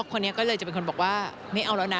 คนนี้ก็เลยจะเป็นคนบอกว่าไม่เอาแล้วนะ